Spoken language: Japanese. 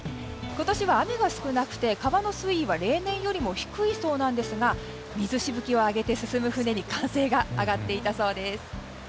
今年は雨が少なくて川の水位は例年より低いそうなんですが水しぶきを上げて進む船に歓声が上がっていたそうです。